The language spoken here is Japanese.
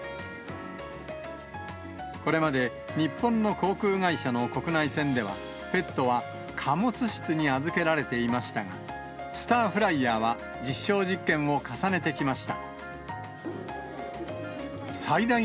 これまで日本の航空会社の国内線では、ペットは貨物室に預けられていましたが、スターフライヤーは実証実験を重ねてきました。